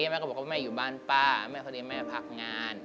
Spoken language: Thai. แม่ก็บอกว่าแม่อยู่บ้านป้าแม่พอดีแม่พักงาน